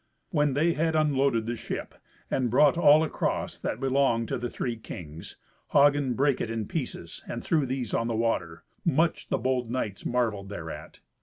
When they had unloaded the ship, and brought all across that belonged to the three kings, Hagen brake it in pieces and threw these on the water. Much the bold knights marvelled thereat.